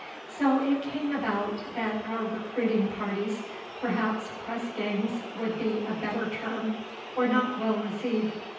So it came about that our recruiting parties, perhaps press gangs would be a better term, were not well received.